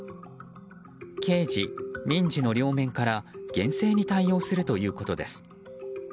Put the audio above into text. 刑事、民事の両面から厳正に対処するということです。